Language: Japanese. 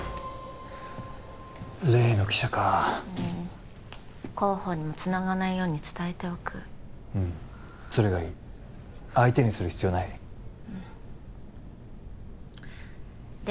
例の記者かうん広報にもつながないように伝えておくうんそれがいい相手にする必要ないうんで？